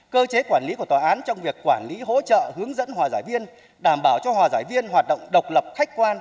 cơ chế quản lý của tòa án trong việc quản lý hỗ trợ hướng dẫn hòa giải viên đảm bảo cho hòa giải viên hoạt động độc lập khách quan